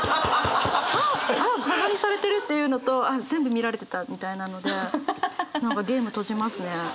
「あっバカにされてる」っていうのと「全部見られてた」みたいなので何かゲーム閉じますね。